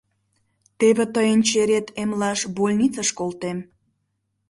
Теве тыйым «черет» эмлаш «больницыш» колтем!